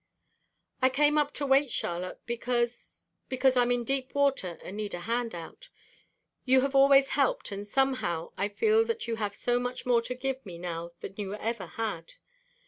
"I came up to wait, Charlotte, because because I'm in deep water and need a hand out. You have always helped and somehow I feel that you have so much more to give me now than you ever had.